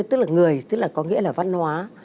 tức là người tức là có nghĩa là văn hóa